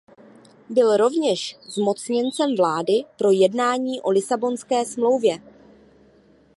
Byl rovněž zmocněncem vlády pro jednání o Lisabonské smlouvě.